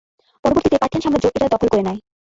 পরবর্তীতে পার্থিয়ান সাম্রাজ্য এটা দখল করে নেয়।